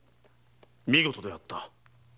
見事であった。